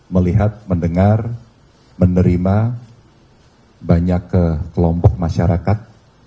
melihat mendengar menerima banyak kelompok masyarakat